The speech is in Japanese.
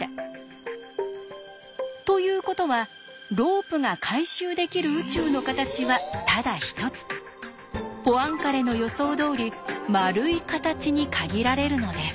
ということはロープが回収できる宇宙の形はただ一つポアンカレの予想どおり丸い形に限られるのです。